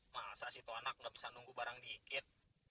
masa sih tuan ak gak bisa nunggu barang dikit